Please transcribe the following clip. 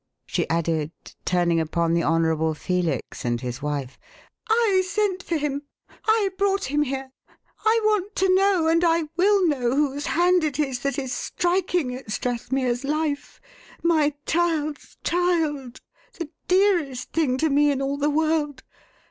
she added, turning upon the Honourable Felix and his wife. "I sent for him I brought him here. I want to know and I will know whose hand it is that is striking at Strathmere's life my child's child the dearest thing to me in all the world.